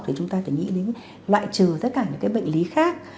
thì chúng ta phải nghĩ đến loại trừ tất cả những cái bệnh lý khác